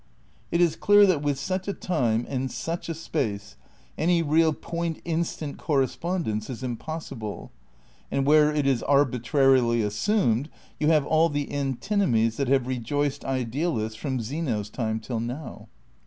It is clear that with such a time and such a space any real point instant correspondence is im possible, and where it is arbitrarily assimaed you have all the antinomies that have rejoiced idealists from Zeno's time till now.